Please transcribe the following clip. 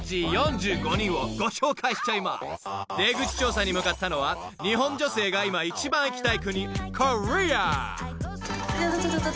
［出口調査に向かったのは日本女性が今一番行きたい国コリア］